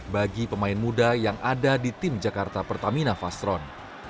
bagi pemain muda yang ada di tim jakarta pertamina vastron